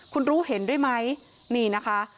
คุณรู้เห็นด้วยไหมนี่นะคะ